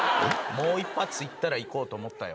もう１発いったらいこうと思ったよ。